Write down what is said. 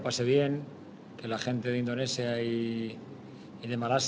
maksud saya dari fans dari pemain